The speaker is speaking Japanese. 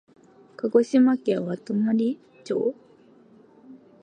鹿児島県和泊町